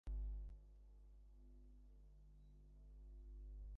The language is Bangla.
তাঁহার দৃষ্টি বিশ্বজনীন, ব্যক্তি-সর্বস্ব নয়।